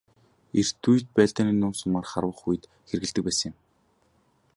Эрт үед байлдааны нум сумаар харвах үед хэрэглэдэг байсан юм.